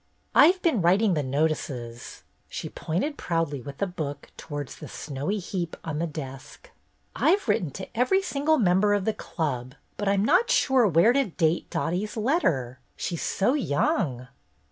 "I 've been writing the notices." She pointed proudly with the book towards the snowy heap on the desk. "I 've written to HISTORY CLUB VISITS NEW YORK 239 every single member of the Club. But Fm not sure where to date Dottie's letter. She's so young."